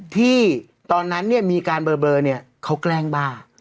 ที่ตอนนั้นมีการเบลอเขาแกล้งบ้า